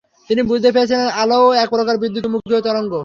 তিনি বুঝতে পেরেছিলেন, আলোও একপ্রকার বিদ্যুৎ–চুম্বকীয় তরঙ্গ।